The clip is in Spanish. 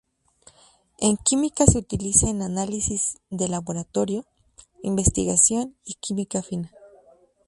En química se utiliza en análisis de laboratorio, investigación y química fina.